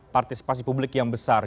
partisipasi publik yang besar